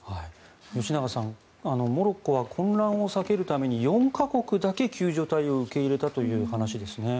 吉永さん、モロッコは混乱を避けるために４か国だけ救助隊を受け入れたという話ですね。